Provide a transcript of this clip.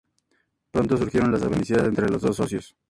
Pronto surgieron las desavenencias entre los dos socios.